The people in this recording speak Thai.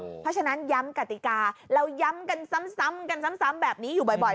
เพราะฉะนั้นย้ำกติกาเราย้ำกันซ้ำกันซ้ำแบบนี้อยู่บ่อย